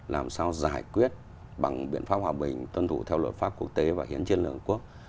làm sao giải quyết bằng biện pháp hòa bình tuân thủ theo luật pháp quốc tế và hiến chương liên hợp quốc